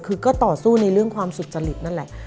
คือก็ต่อสู้ในเรื่องความสุจริตนั่นแหละ